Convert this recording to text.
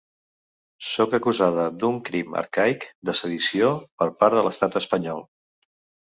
Sóc acusada d’un crim arcaic de sedició per part de l’estat espanyol.